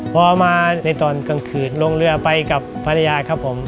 พอมาในตอนกลางคืนลงเรือไปกับภรรยาครับผม